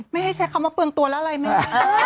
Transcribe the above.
ไม่ให้แช่คำว่าเปลืองตัวละไล่แม่